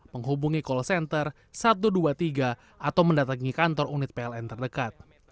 menghubungi call center satu ratus dua puluh tiga atau mendatangi kantor unit pln terdekat